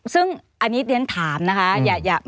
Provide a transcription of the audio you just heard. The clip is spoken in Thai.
ซึ่งอันนี้เรียนถามนะคะ